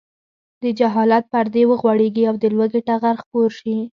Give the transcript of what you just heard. د جهالت پردې وغوړېږي او د لوږې ټغر خپور شي.